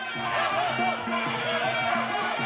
ขวาแยกออกมาอีกครั้งครับ